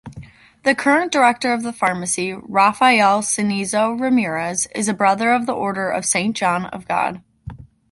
The current director of the pharmacy, Rafael Cenizo Ramirez, is a Brother of the Order of Saint John-of-God.